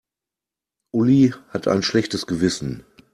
Uli hat ein schlechtes Gewissen.